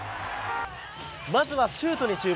まずはシュートに注目。